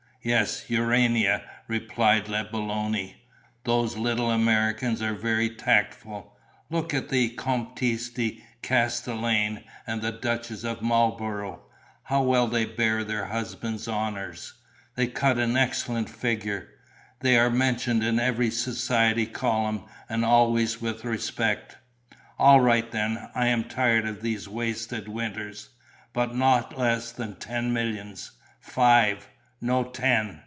"Yes, Urania," replied la Belloni. "Those little Americans are very tactful. Look at the Comtesse de Castellane and the Duchess of Marlborough: how well they bear their husbands' honours! They cut an excellent figure. They are mentioned in every society column and always with respect." "... All right then. I am tired of these wasted winters. But not less than ten millions." "Five." "No, ten."